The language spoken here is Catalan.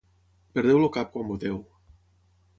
Perdeu el cap quan voteu.